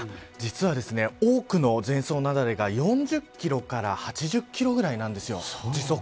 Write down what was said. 実は多くの全層雪崩が４０キロから８０キロぐらいなんです。